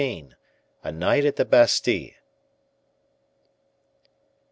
A Night at the Bastile.